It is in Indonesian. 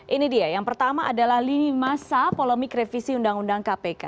ini dia yang pertama adalah lini masa polemik revisi undang undang kpk